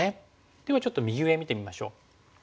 ではちょっと右上見てみましょう。